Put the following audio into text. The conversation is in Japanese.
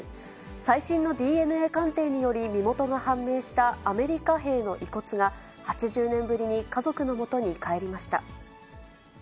最新のＤＮＡ鑑定により身元が判明したアメリカ兵の遺骨が、８０年ぶりに家族のもとにかえりました。